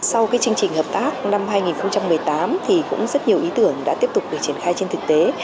sau chương trình hợp tác năm hai nghìn một mươi tám thì cũng rất nhiều ý tưởng đã tiếp tục được triển khai trên thực tế